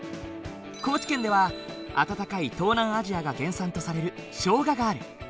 高知県では暖かい東南アジアが原産とされるショウガがある。